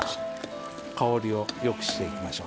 香りをよくしていきましょう。